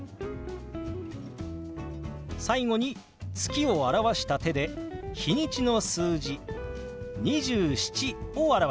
最後に「月」を表した手で日にちの数字「２７」を表します。